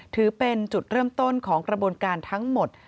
ถือเป็นจุดเริ่มต้นของกระบวนการทั้งหมด